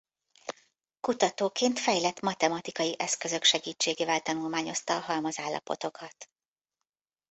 Kutatóként fejlett matematikai eszközök segítségével tanulmányozta a halmazállapotokat.